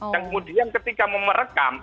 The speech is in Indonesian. yang kemudian ketika memerekam